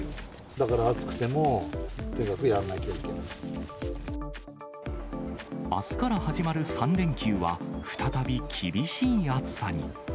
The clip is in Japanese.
だから暑くても、とにかくやんなあすから始まる３連休は、再び厳しい暑さに。